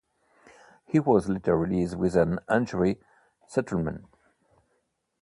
He was later released with an injury settlement.